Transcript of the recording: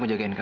maju dong ya